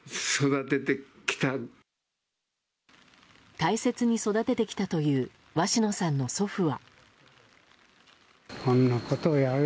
大切に育ててきたという鷲野さんの祖父は。